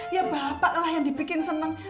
ya bapaklah yang dibikin seneng